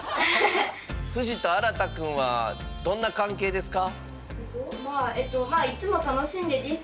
フジと新くんはどんな関係ですか？